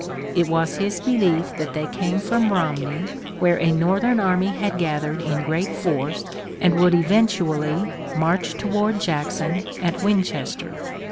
It was his belief that they came from Romney, where a Northern army had gathered in great force and would eventually march toward Jackson at Winchester.